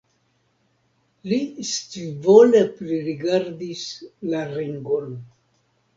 Li scivole pririgardis la ringon.